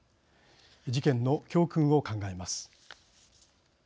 事件の教訓を考えます。